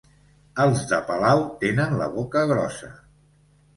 Els de Palau tenen la boca grossa.